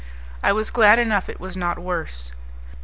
I was glad enough it was not worse.